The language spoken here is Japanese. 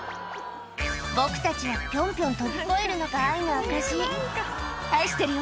「僕たちはぴょんぴょん跳び越えるのが愛の証し」「愛してるよ」